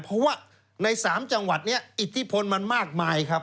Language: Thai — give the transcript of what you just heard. เพราะว่าใน๓จังหวัดนี้อิทธิพลมันมากมายครับ